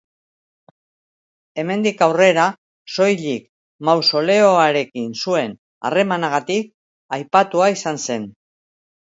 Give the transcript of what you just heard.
Hemendik aurrera, soilik mausoleoarekin zuen harremanagatik aipatua izan zen.